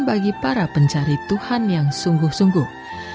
bagi para pencari tuhan yang sungguh sungguh